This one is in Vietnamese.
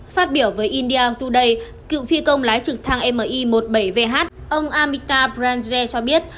phát biểu với india today cựu phi công lái trực thăng mi một mươi bảy vh ông amita branje cho biết